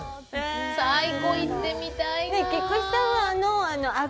最高、行ってみたいなあ。